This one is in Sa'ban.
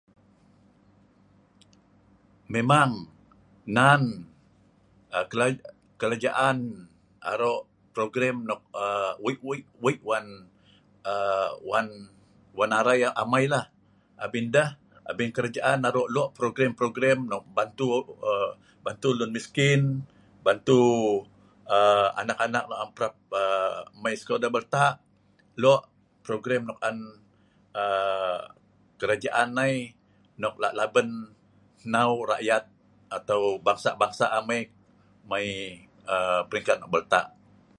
Memang nan aa ke aa kelajaan arok program nok aa weik weik weik wan aa wan wan arai amai la abin ndeh, abin kerajaan arok lok program program nok bantu aa bantu lun miskin bantu aa anak-anak nok am aa parap mai sekola beltak, lok program nok an aa kerajaan nai nok lak laben hneu rakyat atau bangsa-bangsa amai mei aa peringkat nok beltak